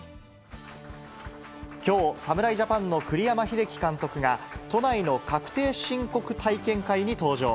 きょう、侍ジャパンの栗山英樹監督が、都内の確定申告体験会に登場。